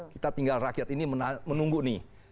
kita tinggal rakyat ini menunggu nih